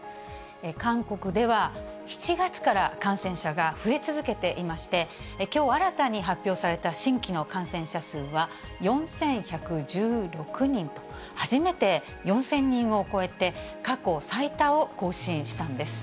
韓国では７月から感染者が増え続けていまして、きょう新たに発表された新規の感染者数は４１１６人と、初めて４０００人を超えて、過去最多を更新したんです。